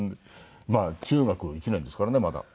まあ中学１年ですからねまだ子ども。